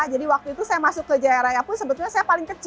jadi waktu itu saya masuk ke jaya raya pun sebetulnya saya paling kecil